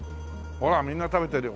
ほらみんな食べてるよ